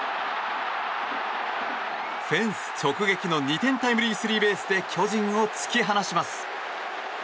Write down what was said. フェンス直撃の２点タイムリースリーベースで巨人を突き放します。